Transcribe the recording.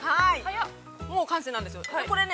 ◆もう完成なんですよね。